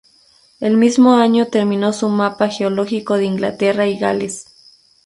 El mismo año terminó su mapa geológico de Inglaterra y Gales.